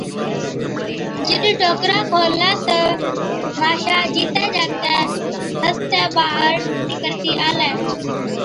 جِڏ ٽوڪرا کوللا تہ ماشا جِيتِي جاگتِي هَستِي ٻاهر نِڪرتِي آلِي۔